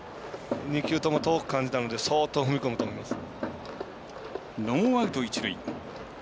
２球とも遠く感じたので相当踏み込むと思います。